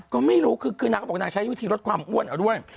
ก็ไม่รู้คือนางก็บอกนางใช้วิธีลดความอ้วนเอาด้วย